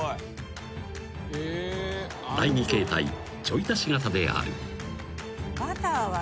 ［第２形態ちょい足し型である］